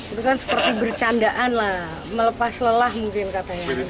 itu kan seperti bercandaan lah melepas lelah mungkin katanya